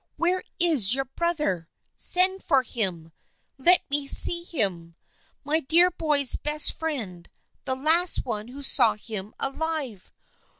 " Where is your brother ? Send for him ! Let me see him ! My dear boy's best friend, the last one who saw him alive